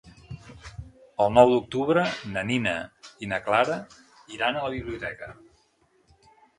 El nou d'octubre na Nina i na Clara iran a la biblioteca.